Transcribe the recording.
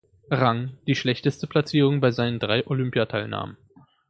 Rang, die schlechteste Platzierung bei seinen drei Olympiateilnahmen.